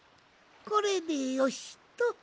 これでよしっと。